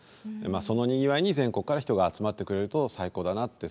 まあその賑わいに全国から人が集まってくれると最高だなって。